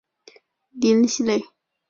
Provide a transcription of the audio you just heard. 林熙蕾。